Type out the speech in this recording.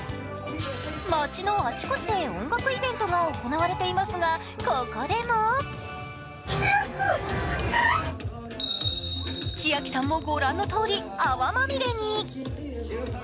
街のあちこちで音楽イベントが行われていますが、ここでもちあきさんも御覧のとおり泡まみれに。